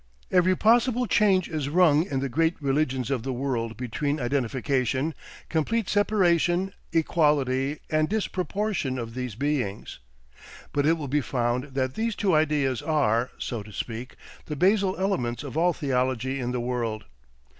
Every possible change is rung in the great religions of the world between identification, complete separation, equality, and disproportion of these Beings; but it will be found that these two ideas are, so to speak, the basal elements of all theology in the world.